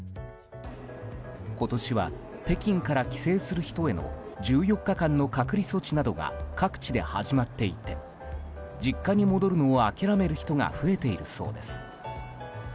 今年は北京から帰省する人への１４日間の隔離措置などが各地で始まっていて実家に戻るのを諦める人が増えているそうです。